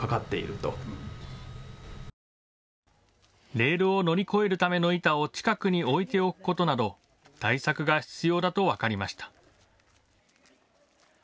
レールを乗り越えるための板を近くに置いておくことなど対策が必要だと分かりました。